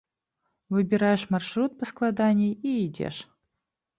Выбіраеш маршрут паскладаней і ідзеш.